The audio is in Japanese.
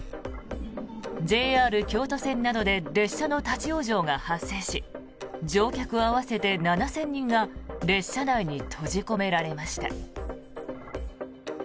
ＪＲ京都線などで列車の立ち往生が発生し乗客合わせて７０００人が列車内に閉じ込められました。